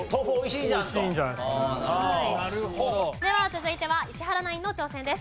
では続いては石原ナインの挑戦です。